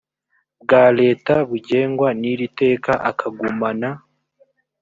bwa leta bugengwa n iri teka akagumana